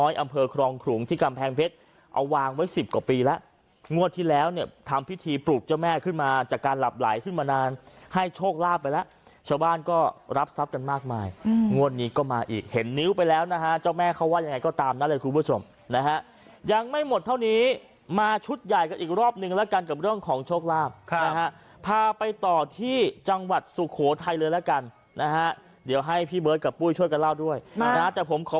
โชคลาภไปแล้วชาวบ้านก็รับทรัพย์กันมากมายอืมงวดนี้ก็มาอีกเห็นนิ้วไปแล้วนะฮะเจ้าแม่เขาว่ายังไงก็ตามนั่นเลยคุณผู้ชมนะฮะยังไม่หมดเท่านี้มาชุดใหญ่กันอีกรอบหนึ่งแล้วกันกับเรื่องของโชคลาภครับนะฮะพาไปต่อที่จังหวัดสุโขทัยเลยแล้วกันนะฮะเดี๋ยวให้พี่เบิร์ดกับปุ้ยช่วยก